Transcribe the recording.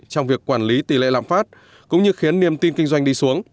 trong việc quản lý tỷ lệ lạm phát cũng như khiến niềm tin kinh doanh đi xuống